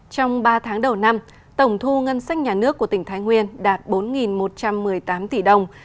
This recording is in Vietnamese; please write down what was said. trong ba tháng đầu năm tổng thu ngân sách nhà nước của tỉnh thái nguyên đạt bốn một trăm một mươi tám tỷ đồng